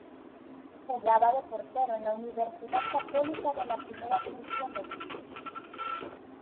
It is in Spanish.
Jugaba de portero en la Universidad Católica de la Primera División de Chile.